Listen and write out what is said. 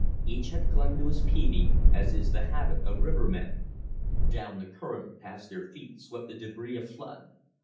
Each had clung to his peavey, as is the habit of rivermen. Down the current past their feet swept the debris of flood.